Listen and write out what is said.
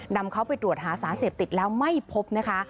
นำเขาไปตรวจหาสารเสพติดแล้วไม่พบนะคะ